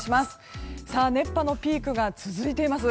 熱波のピークが続いています。